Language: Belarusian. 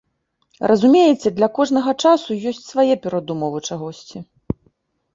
Разумееце, для кожнага часу ёсць свае перадумовы чагосьці.